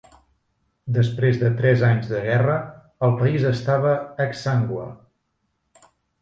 Després de tres anys de guerra, el país estava exsangüe.